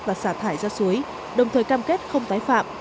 và xả thải ra suối đồng thời cam kết không tái phạm